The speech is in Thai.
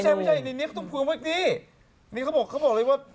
ไม่ใช่ในนี้เขาต้องพูดมาอีกทีนี่เขาบอกเลยว่า